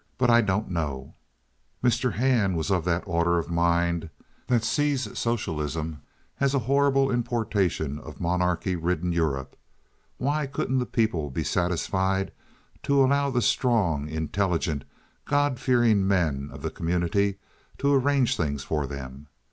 But I don't know." Mr. Hand was of that order of mind that sees socialism as a horrible importation of monarchy ridden Europe. Why couldn't the people be satisfied to allow the strong, intelligent, God fearing men of the community to arrange things for them?